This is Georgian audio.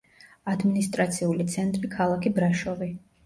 ადმინისტრაციული ცენტრი ქალაქი ბრაშოვი.